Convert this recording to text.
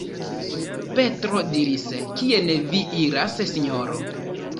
Petro diris: "Kien vi iras, Sinjoro?